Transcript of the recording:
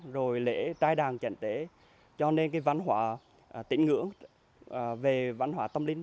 rồi lễ trai đàng chẳng để cho nên cái văn hóa tĩnh ngưỡng về văn hóa tâm linh